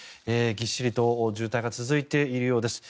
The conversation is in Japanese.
ぎっしりと渋滞が続いているようです。